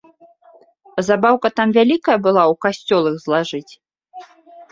Забаўка там вялікая была ў касцёл іх злажыць?!